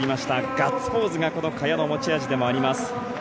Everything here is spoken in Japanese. ガッツポーズが萱の持ち味でもあります。